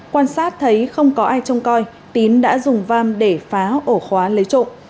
quan sát thấy không có ai trông coi tín đã dùng vam để phá ổ khóa lấy trộm